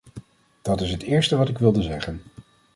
Dat is het eerste wat ik wilde zeggen.